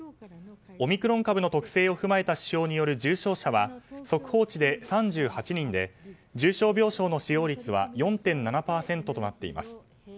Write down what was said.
オミクロン株の特性を踏まえた指標による重症者は速報値で３８人で重症病床の使用率は４．７％となっています。